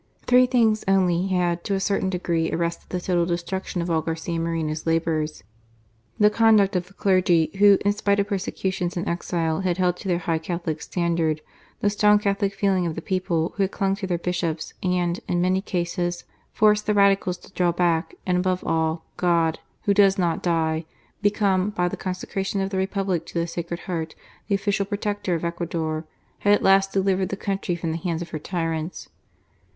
Three things only had, to a certain degree, arrested the total destruction of all Garcia Moreno's labours: the conduct of the clergy, who, in spite of persecutions and exile had held to their high Catholic standard ; the strong Catholic feeling of the people, who had clung to their Bishops and, in many cases, forced the Radicals to draw back ; and above all, God, " Who does not die," become, by the consecration of the Republic to the Sacred Heart, the official protector of Ecuador, had at last delivered the country from the hands of her tyrants.